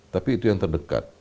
tapi itu yang terdekat